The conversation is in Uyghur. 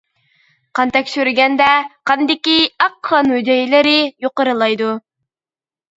قان تەكشۈرگەندە: قاندىكى ئاق قان ھۈجەيرىلىرى يۇقىرىلايدۇ.